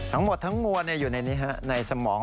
ทั้งหมดทั้งมวลอยู่ในนี้ในสมอง